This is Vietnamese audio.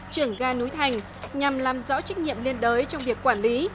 trưởng ga núi thành nhằm làm rõ trách nhiệm liên đới trong việc quản lý